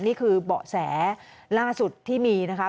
นี่คือเบาะแสล่าสุดที่มีนะคะ